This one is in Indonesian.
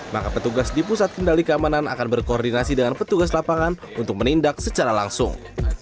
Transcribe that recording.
maka petugas di pusat kendali keamanan akan berkoordinasi dengan petugas lapangan untuk menindak secara langsung